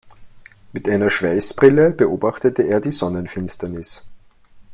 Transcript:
Mit einer Schweißbrille beobachtete er die Sonnenfinsternis.